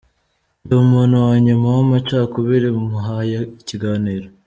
Ndi umuntu wa nyuma w’amacakubiri muhaye ikiganiro.